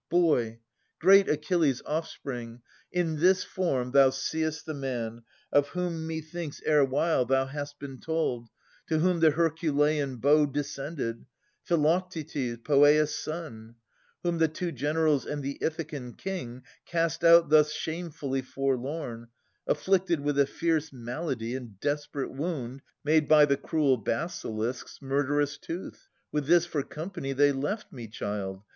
Boy, great Achilles' offspring, in this form Thou seest the man, of whom, methinks, erewhile Thou hast been told, to whom the Herculean bow Descended, Philoctetes, Poeas' son; Whom the two generals and the Ithacan king Cast out thus shamefully forlorn, afflicted With the fierce malady and desperate wound Made by the cruel basilisk's murderous tooth. With this for company they left me, child